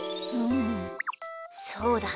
そうだね。